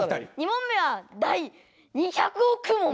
２問目は「第２００億問！」